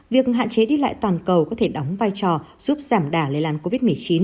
việc hạn chế đi lại toàn cầu có thể đóng vai trò giúp giảm đà lây lan covid một mươi chín